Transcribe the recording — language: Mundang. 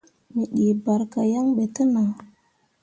Me dii barka yan ɓe te nah.